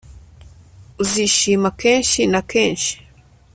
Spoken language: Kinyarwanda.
uzishima kenshi na kenshi